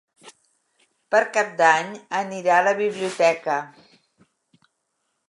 Per Cap d'Any anirà a la biblioteca.